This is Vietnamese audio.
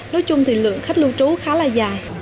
nói chung thì lượng khách lưu trú khá là dài